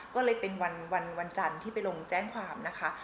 ก็เลยเป็นวันจันทร์ที่ไปลงแจ้งความนะคะ